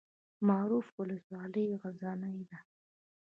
معروف ولسوالۍ غرنۍ ده؟